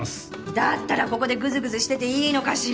だったらここでグズグズしてていいのかしら？